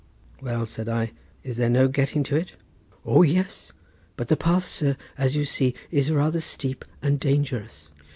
"Well," said I, "is there no getting to it?" "O yes! but the path, sir, as you see, is rather steep and dangerous."